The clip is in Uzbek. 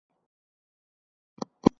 — Yarim asr? Gapingizda jon bor.